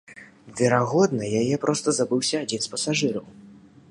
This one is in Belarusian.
Верагодна, яе проста забыўся адзін з пасажыраў.